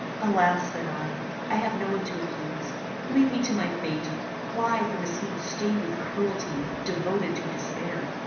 "Alas!" said I, "I have no one to accuse. Leave me to my fate. Fly from a scene stained with cruelty; devoted to despair."